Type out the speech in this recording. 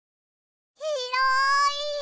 ひろい！